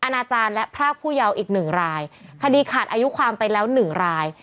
อาจารย์และพรากผู้เยาว์อีกหนึ่งรายคดีขาดอายุความไปแล้วหนึ่งราย